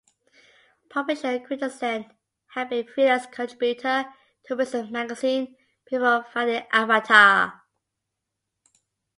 Publisher Christensen had been a freelance contributor to "Wizard" magazine before founding Avatar.